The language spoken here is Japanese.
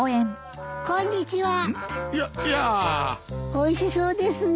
おいしそうですね。